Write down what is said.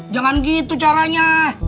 jangan gitu caranya